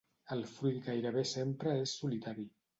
El fruit gairebé sempre és solitari.